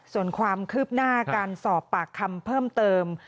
ส่วนความคืบหน้าการสอบปากคำเพิ่มเติม